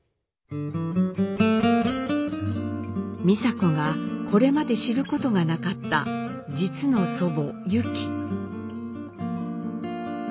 美佐子がこれまで知ることがなかった実の祖母ユキ。